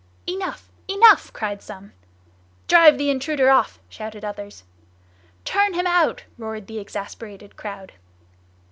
"Enough! enough!" cried some. "Drive the intruder off!" shouted others. "Turn him out!" roared the exasperated crowd.